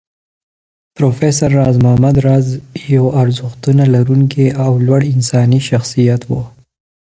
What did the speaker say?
پروفېسر راز محمد راز يو ارزښتونه لرونکی او لوړ انساني شخصيت و